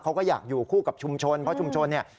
เขาก็อยากอยู่คู่กับชุมชนเพราะชุมชนเนี่ย